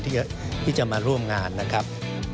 ที่จะมาร่วมงานนะครับ